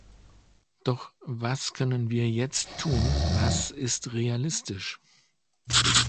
Doch was können wir jetzt tun, was ist realistisch?